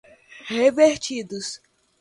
revertidos